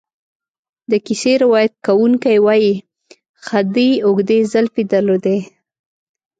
د کیسې روایت کوونکی وایي خدۍ اوږدې زلفې درلودې.